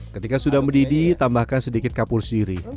ketika sudah mendidih tambahkan sedikit kapur siri